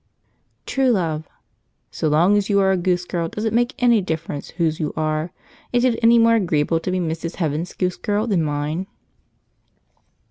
True Love. "So long as you are a Goose Girl, does it make any difference whose you are? Is it any more agreeable to be Mrs. Heaven's Goose Girl than mine?"